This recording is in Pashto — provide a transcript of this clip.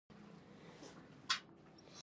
د عشق خدای ستړی احساس د مزدور راکړی